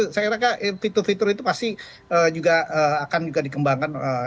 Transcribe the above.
saya kira fitur fitur itu pasti juga akan juga dikembangkan